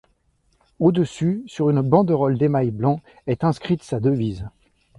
Au-dessus, sur une banderole d'émail blanc, est inscrite sa devise.